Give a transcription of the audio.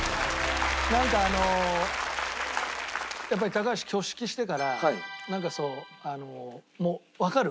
なんかあのやっぱり高橋挙式してからなんかそうもうわかる。